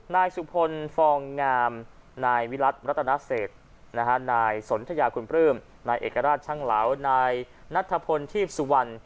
นายสุพลฟองงามนายวิรัติรัตนเศษนายสนทยาคุณปลื้มนายเอกราชช่างเหลานายนัทพลทีพสุวรรณ